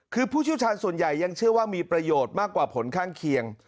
คือผู้เชี่ยวชาญส่วนใหญ่ยังเชื่อว่ามีประโยชน์มากกว่าผลข้างเคียง